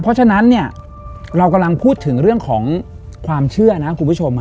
เพราะฉะนั้นเนี่ยเรากำลังพูดถึงเรื่องของความเชื่อนะคุณผู้ชม